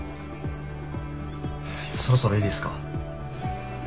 そろそろいいですか？